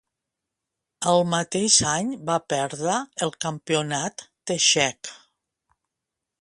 El mateix any va perdre el Campionat Txec.